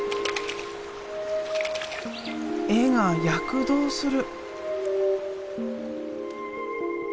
絵が躍動する。